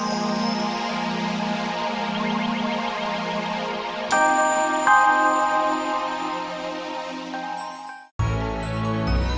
aku akan melindungi kamu sama anak kamu